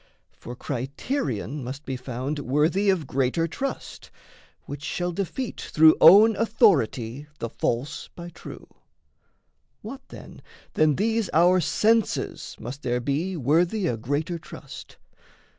For criterion must be found Worthy of greater trust, which shall defeat Through own authority the false by true; What, then, than these our senses must there be Worthy a greater trust?